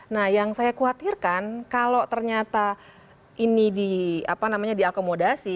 nah yang saya khawatirkan kalau ternyata ini di apa namanya diakomodasi